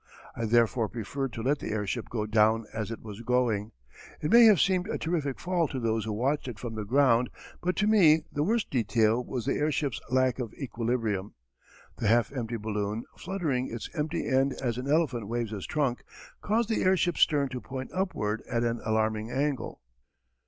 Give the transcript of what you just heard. I therefore preferred to let the airship go down as it was going. It may have seemed a terrific fall to those who watched it from the ground but to me the worst detail was the airship's lack of equilibrium. The half empty balloon, fluttering its empty end as an elephant waves his trunk, caused the airship's stern to point upward at an alarming angle.